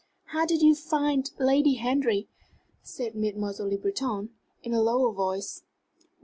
"How did you find Lady Henry?" said Mademoiselle Le Breton, in a lowered voice.